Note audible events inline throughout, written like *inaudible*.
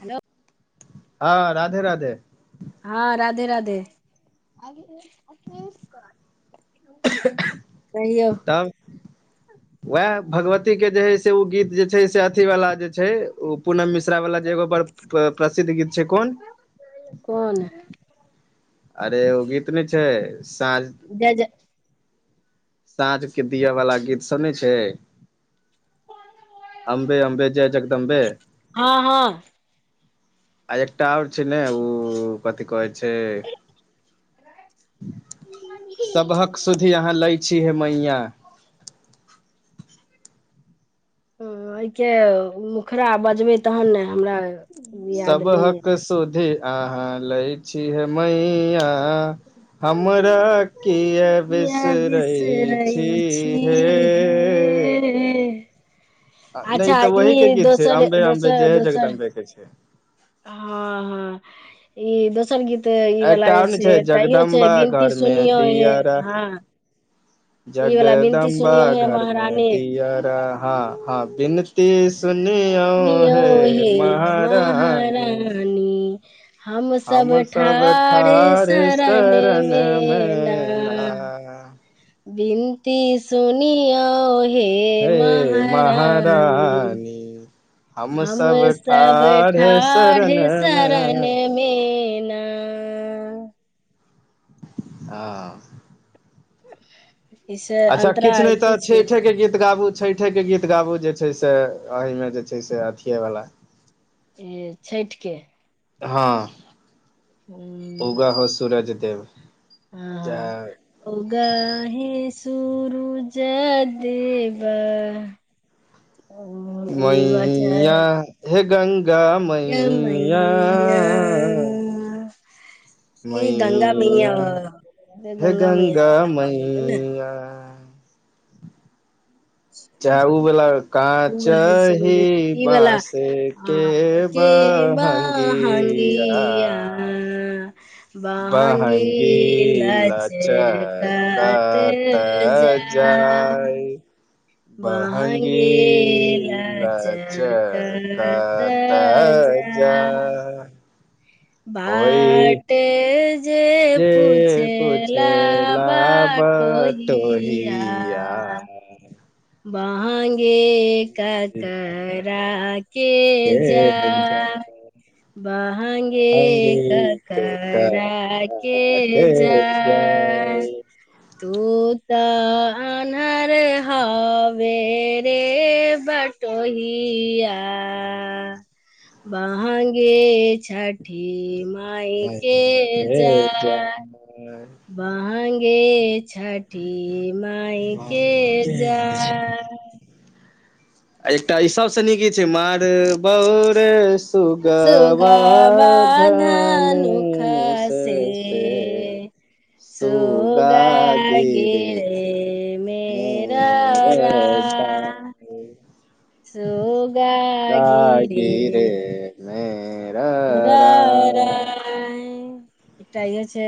Hello हँ राधे - राधे हँ राधे - राधे कहियौ तब वैह भगवती केँ जे है से उ गीत जे छै से अथी वला जे छै उ पूनम मिश्रा वला जे एगो पर प्रसिद्ध गीत छै कोन कोन अरे एगो गीत नय छै साझ जय - जय साँझ के दियवला गीत सब नै छै, अम्बे अम्बे जय जगद अम्बे हँ हँ। आ एकटा आओर छै ने ओ कथी कहै छै सबहक सुधी अहाँ लै छी हे मैया ह एहिके मुखरा बजबै तहन ने हमरा याद नहि य सबहक सुधि अहाँ लै छी हे मैया हमरा किया किया बिसरै छी, हे छी हे ऐ हेऽ आ नै तऽ वही के गीत छै दोसर अम्बे अम्बे जय जगदम्बे के छै। हाॅं हाॅं ई दोसर गीत। तऽ ई बला एकटा जे आओर ने छै त यौ छै जगदम्बा विनती घर मे सुनियौ हे दियरा हा जगदम्बा सुनियो हे घर में महारानी दियरा हाँ हाॅं बिन सु। ती सुनियो सुनियो हे महारानी न *inaudible* हमसब ठार शरण में ना विनती सुनियो हे हे महारानी महारानी हम सब सब ठाढ़ ठार शरण मे शरण मे ना। हा *inaudible* इसेए अच्छा किछ नै तऽ छैठे के गीत गाबु। छैठे के गीत गाबु जे छै से अयमें जे छै से अथिये बला ए छैठ के हाॅं। हुॅं उगा हो सुरज दे, जय उग है सुरुज देव। *inaudible* एव च मैया हे गंगा मैया मैया ई गंगा मैया वाला- हे मैया गंगा वाला भऽ गेलै ने मैया चै उ वला। कांच उगहि सूरुज ही ई वाला बांस आ के के बहंगिया बहंगिया बहंगी लच कत लचकत जा जाय बहंगी बांगेला लच चकत कत जा ह भाटे जे जे पुछेला पुछेला बटोहीया। बटोहिया बहंगी ककरा के जाय बहंगी ककरा के। जाय। तू तऽ आन्हर ह। हवे रे बटोहीया। बहंगी छठी माय के जाय। आ। *unintelligible* बहंगी छठी माय के के जाय। आ एकटा ई सबसे नीक गीत छै मार बौ रे सु सुगबा धनुख धनुष से। सुगा गिरे गिरे मेर मोर राय। आ। झाल सुगा गिरे। रागिरे मेरा र राग राय एकटा इहो छै।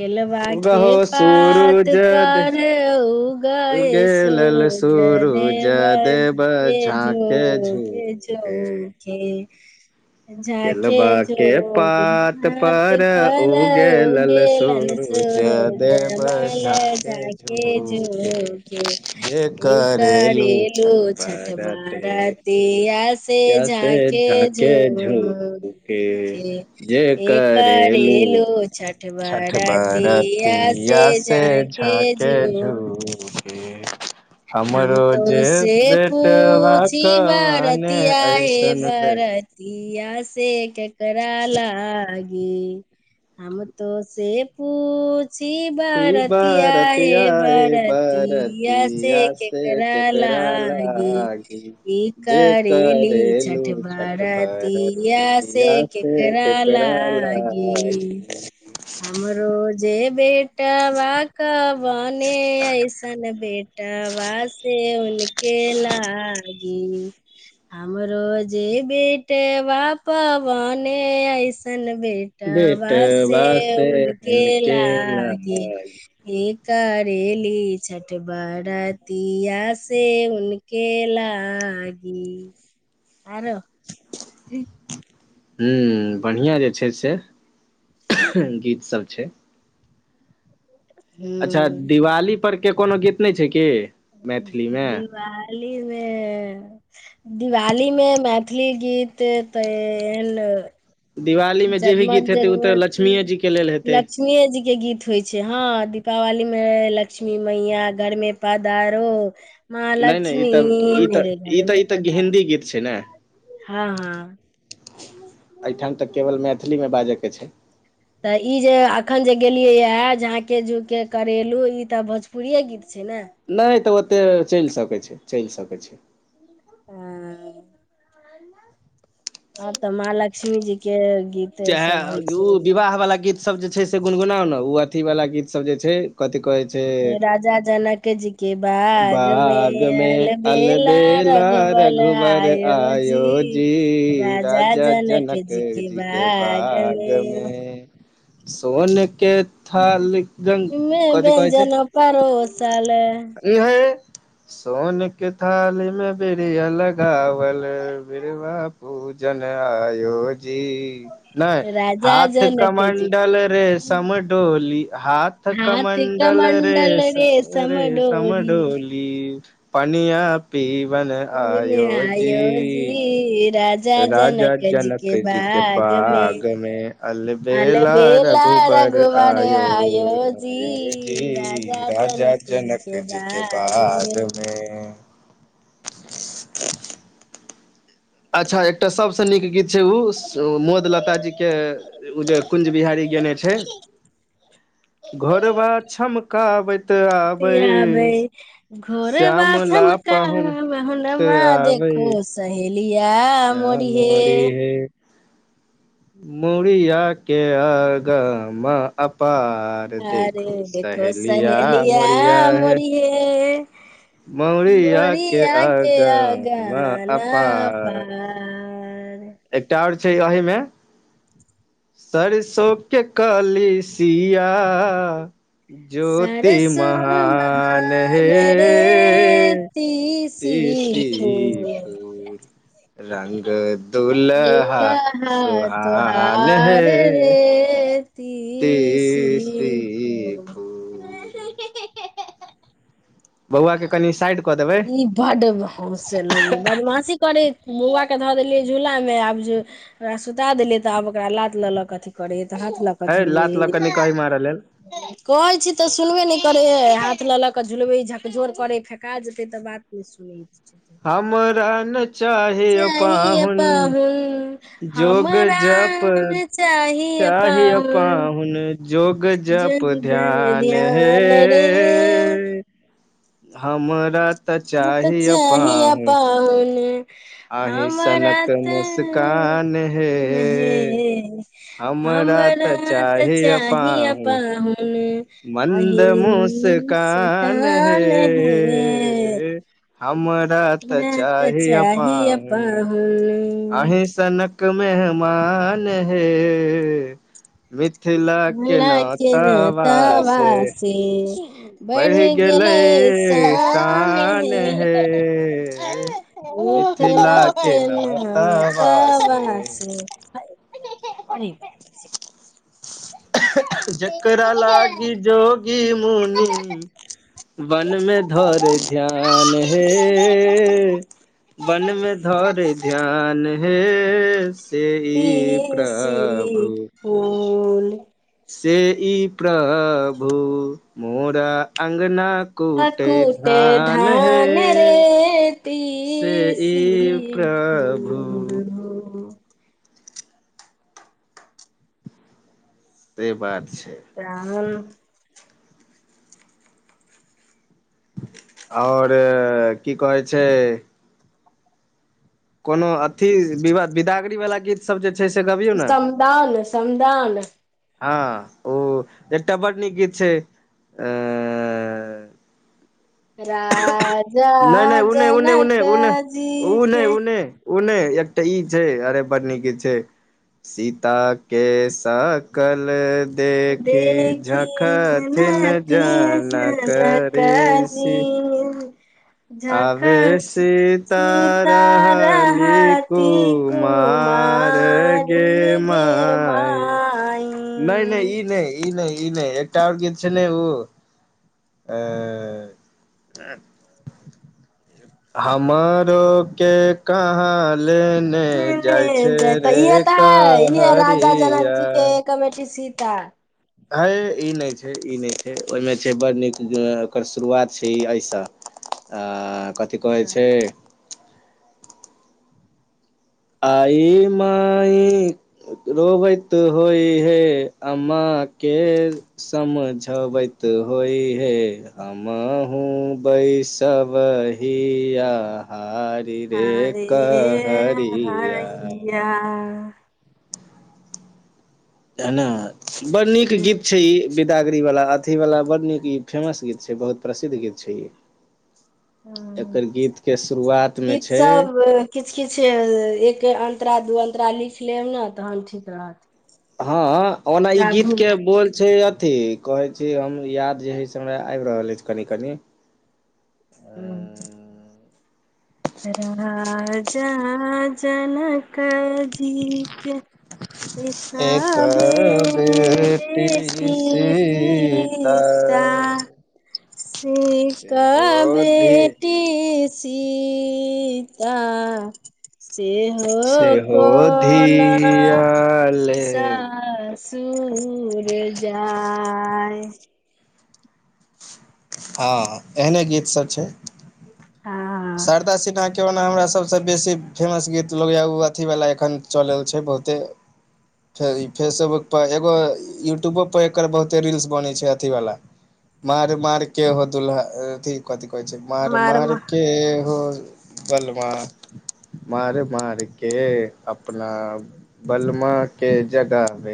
केलबा के उगहो पात सूरुज दे पर उग ये उगेलल सुरूज। सूरुज सुरुज देब देव झाँके झुके *unintelligible* झाखे केलबा के झोखे पात हाथ पर उगेलल उगेलनि सूरुज देब सूरूजबालए झाँके झाके झुके झुके जे इ करेलू करेलु छठ बरते बारती या से से या झाके झाँके झो झुके खए जे ए करेलू करेलु छठ बड़तिया से झाके झु झुखे हम तो से पूछि कवने बरतीया ये ऐसन बे बर तिया से केकरा लगी हम तोऽ से पु छी बरतीया बरतिया ये ए बरतीया से बरतिया से करा केकरा लागी लागी ई जे करेली करेलू छठ छठ बरती या से बरतिया ककरा केकरा लागी लागी हमरो जे बे ट बाक बने ऐसन बेटा वासे उनके लगी हमरोजे बेटे वा पवने ऐसन बेटबा से बेटवा से उनके हनके लागे लागी हे करेली छठ बड़त तीया से उनके लागी आँरौ ई हूँ बढ़िआँ जे छैय से गीतसब छैय अच्छा हूँ दिवाली पर के कोनो गीत नै छैय की मैथिली मे दिवालीमे दिवालीमे मैथिली गीत त एन दिवाली मे जे भी जगमग गीत हेतै ओ तऽ जन्मति लक्ष्मीए लक्ष जी के लेल हेतै लक्ष्मीे जीके गीत होइ छैय हाँ दीपावलीमे लक्ष्मी मैया घरमे पधारो नहि नहि महालक्ष्मी मेेरे घर मे पधारो मैथली गीत छै ने हँ - हँ एयठम तऽ केवल मैथिलीमे बाजअकेँ छै तऽ इ जे अखन जे गेलिये यहै झाके झूके करेलु इ तऽ भोजपुरिये गीत छै नऽ नय तऽ ओते चैल सकै छैय चैल सकै छैय अए आब तऽ माँ लक्ष्मी जी केँ गीत चाहे सब होइ उ छै विवाह वला गीत सब जे छैय से गुनगुनाउ नऽ उ अथी वाला गीत सब जे छै कथि कहै छै, के राजा जनक जी के बाग मे बागमे आयल बेला अलबेला रघुवर रघुवर आयो आयोजी जी राजा जनक केँ जी केँ बागमे सोन केँ मे छै व्यञ्जन पारोसल इहे सोन केँ थाली मे बिरिया लगावल बीरबा पूजन आयो जी नय राजा हाथ जनक जी के कमण्डल रेसम डोली हा थ हाथ कमण्डल कमण्डल रेसम रेशम रेसम डोरी डो ली पनिया पीबन आयोजी आयो जी राजा राजा जनक के जी केँ बाग मे बागमे अल बेला अलबेला रघुवर आयो आयो जी राजा राजा जी जनक के जी केँ बाग में बागमे अच्छऽ एकटा सबसँ नीक गीत छै उ मोद लताजी केँ उ जे कुन्ज बिहारी गेने छै घरबा छमकाबैत आबै बतियाबे घोरबा श्यामला छम पाहुन कमे त हुनमा आबै देखु सहेलिया मोरीहे श्यामोरी हे मुड़िया केँ अ ग म अपार अरे देखू देखो सहेलिया मोरिया है मोरी हे मौरिया के मोरिया केँ अगम अगन नऽ अपार अपार एकटा आओर छै अही मे सरिसो केँ कलि सिया ज्योति सरसो महान हे रे तीसी फूल फुल रंग दुलहा दुल्हा सुहान हे तीसी फुल फूल बौआ केँ कनि साइड कऽ देबै बड्ड हसै गली बदमाशी करै बौआ केँ धऽ देलियै झूलामे आब जे ओकरा सुता देलियै तऽ आब ओकरा लात लऽ लऽ कऽ अथी करै तऽ हाथ लऽ कऽ हे झुलबी लात लऽ कऽ निकहि मारऽ लेल कहै छी तऽ सुनबे नय करेे हाथ लऽ लऽ कऽ झुलबै झकझोर करे फेेका ज तै बात नय सुनैत छथि हमरा नइ चाही यौ चाहिए पाहुन पाहुन जोग हमरा जप ने चाहिए चाही यौ पाहुन जोग जप जग जग ध्यन हे ध्यान रे हमरा तऽ हँ तऽ यौ चाही यौ पाहुन पाहुन अहीं हमरा सनक तऽ मुस्कान हे पाहुन हे हमरा तऽ चाही यौ चाही यौ पाहुन पाहुन मन्द अहि मुस्कान सटान है हे हमरा हमरा तऽ चाही यौ पाहुन अही सनक मेहमान हे मिथिला केँ हल्ला नऽ तऽ वा से हे बढ़ि गेलै सान हे मिथिला केँ ना ता बा से हाम अय जेकरा लागि जोगी मुनी बन मे धोरे ध्यान हे बन मे धोरे ध्यान हे से ही प्रभु ओल से ई प्रभु मोरा अंगना कुटैय अकुटे धान हे रे से ई तीसी प्रभु फूल हो से बात छै पाहुन आओर की कहै छै कोनो अथी विवाह बिदागरी वला गीत ई सब जे छै से गबियौ नऽ समदाउन समदाउन हँ ओ एकटा बड़ नीक गीत छै ए राजा नहि नहि उने उने जनक जी केँ उ नय एकटा ई छै अरे बढ़ निक गित छै सीता केँ सकल देखी देखी झखथिन जनती जनक जनक री जी आबे झखट सीता सीता रहलि कु रहती मार गे कुमारी गे माई नय नय माई ई नय ई नय ई नय एकटा आओर गीत छै नऽ उ अ हे हमरो केँ कहाँ ले ने जाइ छै जय तऽ रे इहे तऽ है इहे राजा जनक कहरिया जी के कमेटी सीता हई ई नम छै ई नय छै ओहिमे छै बड़ नीक ओकर शुरुआत छै ई एहिसँ आ कथि कहै छै आई माई रोबैत होइहे अम्माँ केँ समझबैत होइहे हमहूँ बैसब हिया हा री रे कहरि अरया तऽ नय बड़ नीक गीत छै ई बिदागरी वाला अथी वाला बड्ड नीक ई फेमस गीत छै बहुत प्रसिद्ध गीत छै ई हूँ एकर गीत केँ शुरुआत मे गीत छै सब किछ किछ एक अन्तरा दू अन्तरा लिख लेब नऽ तहन ठीक रहत हँ ओना ई गीत गाबू मे केँ बोल छै अथी कहै छी हम याद जे हइ से हमरा आइब रहल अछि कनि - कनि हुँ राज जनक जी केँ एक बे एक बेटी बेटी सीता सी सिता से एक सेहो धी बेटी सीता सेहो सेहो कोना धियाले सा सुर जाइ हँ एहने गीत सब छै हँ शारदा सिन्हा केँ ओना हमरा सब सँ बेसी फेमस गीत लगै यऽ ओ अथीवला एखन चलै उ छै बहुते छै ई फेसोबुक पर एगो यूट्यूबो पर एकर बहुते रील्स बनै छै अथीवला मार मार केँ हो दुल्हा अथि कथि कहै छै मार - हमर मार केँ हो बलमा मार - मार केँ अपना बलमा केँ जगाबे